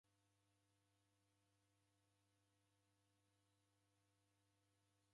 Nicha kuroghua njumwa.